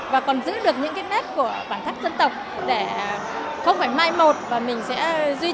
và còn giữ được những cái nét của bản sắc dân tộc để không phải mai một và mình sẽ duy trì lại cho mọi người